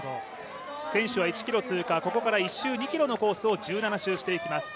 選手は１ｋｍ通過、ここから１周２ｋｍのコースを１７周していきます。